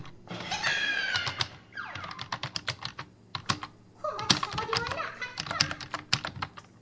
こ小町さまではなかった。